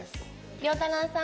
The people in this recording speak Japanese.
遼太郎さん。